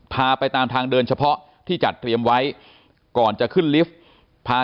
พาไปตามทางเดินเฉพาะที่จัดเตรียมไว้ก่อนจะขึ้นลิฟต์พา